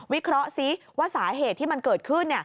เคราะห์ซิว่าสาเหตุที่มันเกิดขึ้น